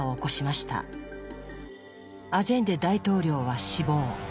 アジェンデ大統領は死亡。